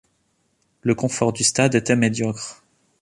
Le confort du stade était médiocre.